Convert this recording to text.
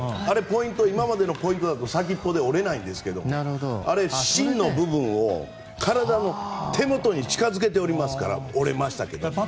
あれは今までのポイントだと先っぽで折れないんですが芯の部分を体の手元に近づけておりますから折れましたけど。